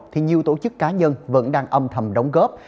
thì nhiều tổ chức cá nhân vẫn đang âm thầm đóng góp